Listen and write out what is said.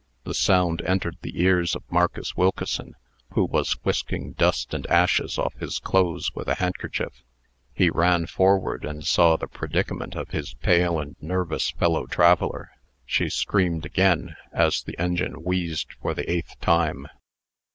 The sound entered the ears of Marcus Wilkeson, who was whisking dust and ashes off his clothes with a handkerchief. He ran forward, and saw the predicament of his pale and nervous fellow traveller. She screamed again, as the engine wheezed for the eighth time.